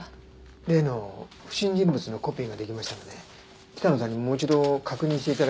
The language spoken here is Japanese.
例の不審人物のコピーができましたので北野さんにもう一度確認して頂きたいと思いまして。